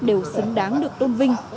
đều xứng đáng được tôn vinh